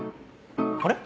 あれ？